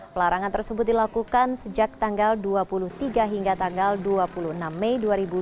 pelarangan tersebut dilakukan sejak tanggal dua puluh tiga hingga tanggal dua puluh enam mei dua ribu dua puluh